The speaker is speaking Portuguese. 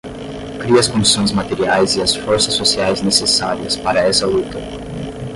cria as condições materiais e as forças sociais necessárias para essa luta